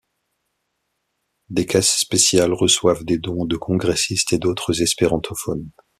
Des caisses spéciales reçoivent des dons de congressistes et d’autres espérantophones.